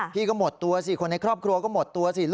พี่ก็หมดตัวสิคนในครอบครัวก็หมดตัวสิ